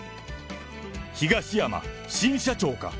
東山、新社長か。